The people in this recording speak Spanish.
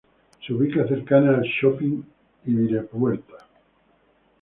Se ubicada cercana al Shopping Ibirapuera.